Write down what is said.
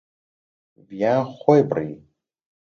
ڤیان خۆی بڕی.